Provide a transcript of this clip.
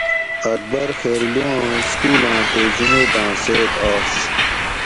اکبر خیرلو آں سکولاں تے جمیتاں سیت آش